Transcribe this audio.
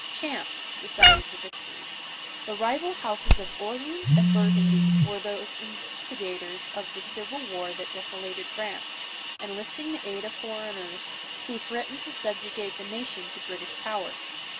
Chance decided the victory. The riyul hous:s ol Orleans and Burgundy were the instigators of the civil war that desolated France, en listing the aid of foreigners who threatened to subjugate the nation— to «Britisli power.